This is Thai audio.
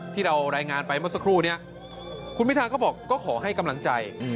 ที่เรารายงานไปเมื่อสักครู่นี้คุณพิธาก็บอกก็ขอให้กำลังใจ